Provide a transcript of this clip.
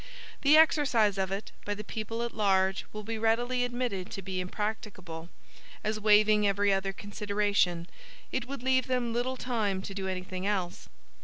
The exercise of it by the people at large will be readily admitted to be impracticable; as waiving every other consideration, it would leave them little time to do anything else.